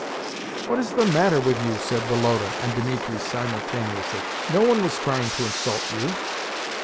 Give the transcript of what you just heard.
"What is the matter with you?" said Woloda and Dimitri simultaneously. "No one was trying to insult you."